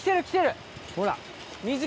ほら。